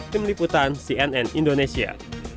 tim liputan cnn indonesia